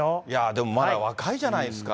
でもまだ若いじゃないですか。